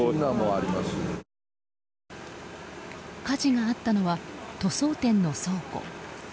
火事があったのは塗装店の倉庫。